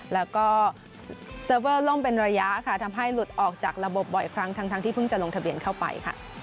แล้วก็เซิร์ฟเวอร์ล่มเป็นระยะค่ะทำให้หลุดออกจากระบบบ่อยครั้งทั้งที่เพิ่งจะลงทะเบียนเข้าไปค่ะ